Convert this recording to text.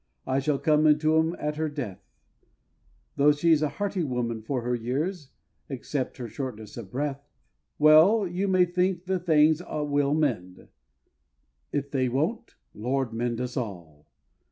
I shall come into 'em at her death; Though she's a hearty woman for her years, except her shortness of breath. Well! you may think the things will mend if they won't, Lord mend us all!